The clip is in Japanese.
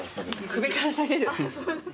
首から提げる？